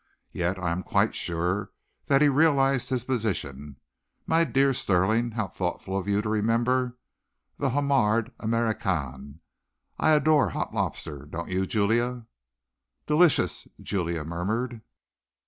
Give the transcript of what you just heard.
Yet I am quite sure that he realized his position. My dear Stirling, how thoughtful of you to remember the Homard Americaine. I adore hot lobster, don't you, Julia?" "Delicious!" Julia murmured.